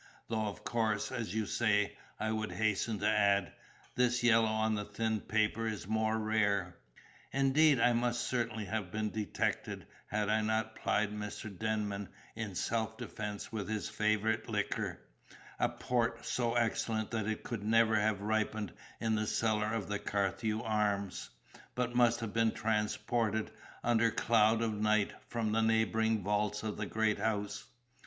Though of course, as you say," I would hasten to add, "this yellow on the thin paper is more rare." Indeed I must certainly have been detected, had I not plied Mr. Denman in self defence with his favourite liquor a port so excellent that it could never have ripened in the cellar of the Carthew Arms, but must have been transported, under cloud of night, from the neighbouring vaults of the great house.